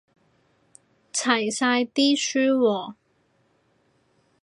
齊晒啲書喎